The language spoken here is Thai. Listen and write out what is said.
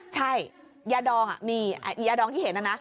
ใช่ยาดองที่เห็นน่ะนะ